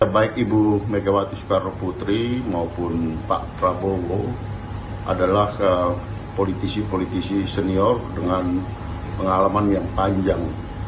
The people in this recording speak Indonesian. baik ibu megawati soekarno putri maupun pak prabowo adalah politisi politisi senior dengan pengalaman yang panjang